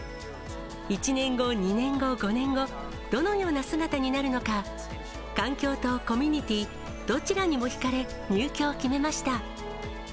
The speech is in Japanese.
１年後、２年後、５年後、どのような姿になるのか、環境とコミュニティ、どちらにも引かれ、入居を決めました。